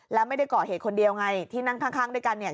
แล้วไม่ได้ก่อเหตุคนเดียวไงที่นั่งข้างด้วยกันเนี่ย